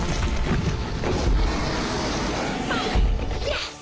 よし！